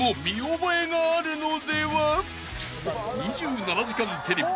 ［『２７時間テレビ』